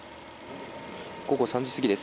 午後３時過ぎです。